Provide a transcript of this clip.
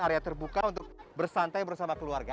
area terbuka untuk bersantai bersama keluarga